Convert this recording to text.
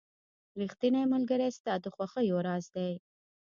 • ریښتینی ملګری ستا د خوښیو راز دی.